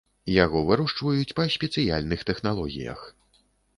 Яго вырошчваюць па спецыяльных тэхналогіях.